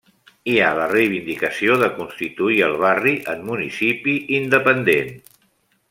Hi ha la reivindicació de constituir el barri en municipi independent.